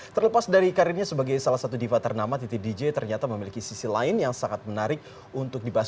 terlepas dari karirnya sebagai salah satu diva ternama titi dj ternyata memiliki sisi lain yang sangat menarik untuk dibahas